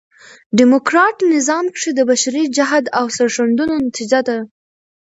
ډيموکراټ نظام کښي د بشري جهد او سرښندنو نتیجه ده.